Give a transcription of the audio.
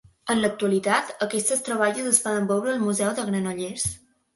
En l'actualitat, aquestes troballes es poden veure al Museu de Granollers.